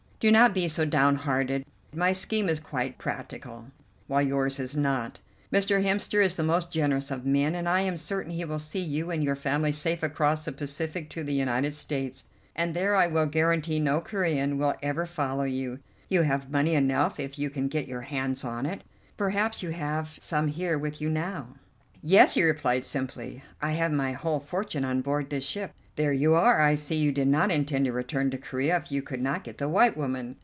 "Do not be so downhearted; my scheme is quite practicable, while yours is not. Mr. Hemster is the most generous of men, and I am certain he will see you and your family safe across the Pacific to the United States, and there I will guarantee no Corean will ever follow you. You have money enough if you can get your hands on it. Perhaps you have some here with you now." "Yes," he replied simply, "I have my whole fortune on board this ship." "There you are. I see you did not intend to return to Corea if you could not get the white woman."